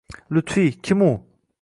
— Lutfiy? Kim u?